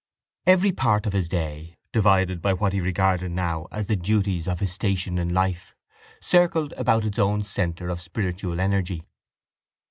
Every part of his day, divided by what he regarded now as the duties of his station in life, circled about its own centre of spiritual energy.